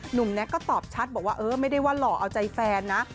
หนุ่มแน็กส์ก็ตอบชัดบอกว่าไม่ได้ว่าหล่อเอาใจแฟนนะ